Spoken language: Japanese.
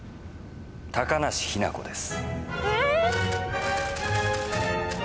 高梨雛子です。